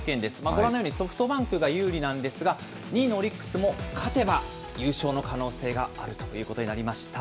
ご覧のようにソフトバンクが有利なんですが、２位のオリックスも勝てば優勝の可能性があるということになりました。